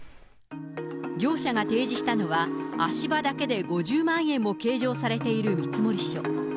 業者が提示したのは、足場だけで５０万円も計上されている見積書。